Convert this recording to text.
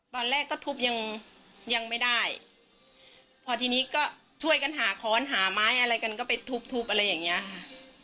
ตอนแรกก็ทุบยังยังไม่ได้พอทีนี้ก็ช่วยกันหาค้อนหาไม้อะไรกันก็ไปทุบทุบอะไรอย่างเงี้ยค่ะ